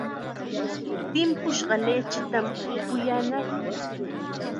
Timpushqa lichitam upuyaanayki.